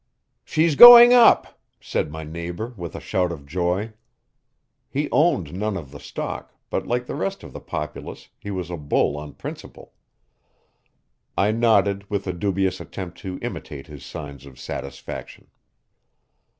"She's going up!" said my neighbor with a shout of joy. He owned none of the stock, but like the rest of the populace he was a bull on principle. I nodded with a dubious attempt to imitate his signs of satisfaction.